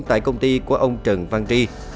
tại công ty của ông trần văn tri